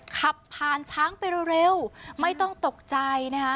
ขับผ่านช้างไปเร็วไม่ต้องตกใจนะคะ